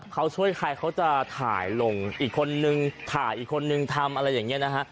เขาช่วยใครเขาจะถ่ายลงอีกคนนึงถ่ายอีกคนนึงทำอะไรอย่างนี้นะฮะ